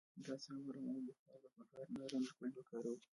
د اعصابو ارامولو لپاره د بهار نارنج ګل وکاروئ